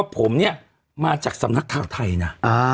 ผมนี่มาจากสำนักฐานไทยอ่ะ